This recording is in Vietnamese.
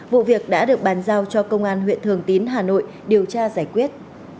vụ việc đã được bàn giao cho công an huyện thường tín hà nội điều tra giải quyết